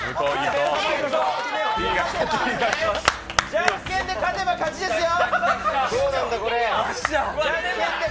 じゃんけんで勝てば勝ちですよ。